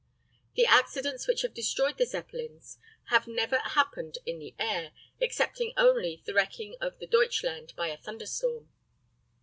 The accidents which have destroyed the Zeppelins have never happened in the air, excepting only the wrecking of the Deutschland by a thunderstorm.